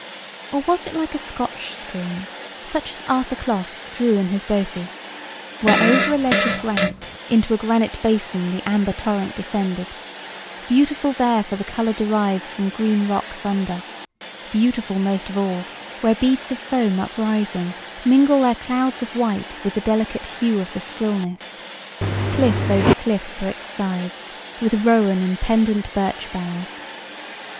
Or was it like a Scotch stream, such as Arthur Clough drew in his "Bothie":— "Where over a ledge of granite Into a granite bason the amber torrent descended. .... Beautiful there for the colour derived from green rocks under; Beautiful most of all, where beads of foam uprising Mingle their clouds of white with the delicate hue of the stillness. ... Cliff over cliff for its sides, with rowan and pendant birch boughs."